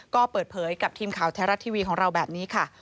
ก็เปิดเผยกับทีมข่าวแท้รัฐทีวีของเราแบบนี้ค่ะ